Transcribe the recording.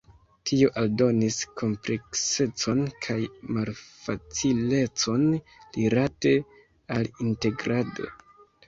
Tio aldonis kompleksecon kaj malfacilecon rilate al integrado.